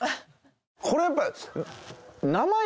これやっぱ。